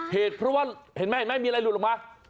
เหตุเพราะว่าเห็นแม่มมีอะไรหลุดลงมา